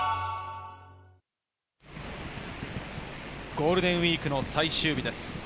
ゴールデンウイークの最終日です。